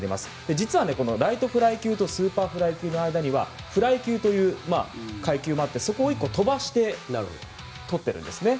実はこのライトフライ級とスーパーフライ級の間にはフライ級という階級もあってそこを１個飛ばして取っているんですね。